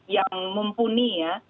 yang mumpuni ya